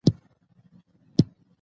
تر څو راتلونکي نسلونه دې ته وهڅوي.